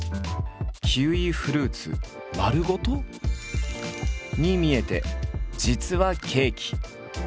キウイフルーツ丸ごと？に見えて実はケーキ！